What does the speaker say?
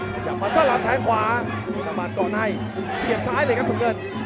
แล้วก็จะมาสลับทางขวาเพศรภาคก่อนให้เสียบซ้ายเลยครับมันเกิด